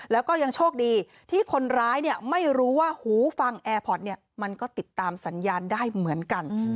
แล้วก็ยังโชคดีที่คนร้ายไม่รู้ว่าหูฟังแอร์พอร์ตมันก็ติดตามสัญญาณได้เหมือนกัน